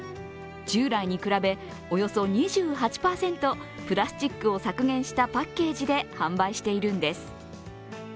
従来に比べ、およそ２８％プラスチックを削減したパッケージで販売しているんです。